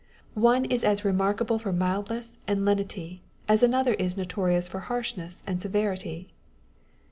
One is as remarkable for mildness and lenity as another is notorious for 'harshness and severity.